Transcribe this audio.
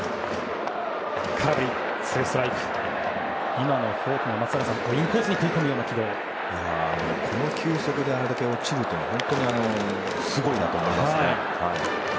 今のフォークもインコースにこの球速であれだけ落ちるというのは本当にすごいと思います。